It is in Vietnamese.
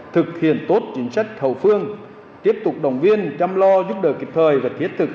thực hiện tốt chính sách hậu phương tiếp tục động viên chăm lo giúp đỡ kịp thời và thiết thực